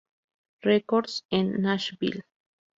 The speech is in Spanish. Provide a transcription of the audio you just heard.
Records, en Nashville.